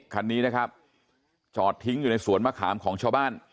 คันนี้นะครับจอดทิ้งอยู่ในสวนมะขามของชาวบ้าน